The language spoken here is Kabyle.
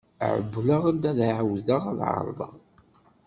Ԑewwleɣ-d ad εawdeɣ ad εerḍeɣ.